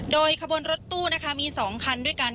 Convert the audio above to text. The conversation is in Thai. โดยขบร้อนรถตู้มี๒คันด้วยกัน